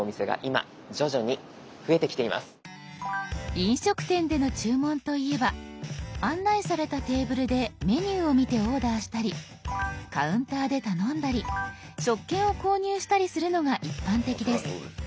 飲食店での注文といえば案内されたテーブルでメニューを見てオーダーしたりカウンターで頼んだり食券を購入したりするのが一般的です。